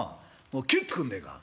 もう帰っつくんねえか」。